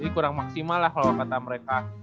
kurang maksimal lah kalau kata mereka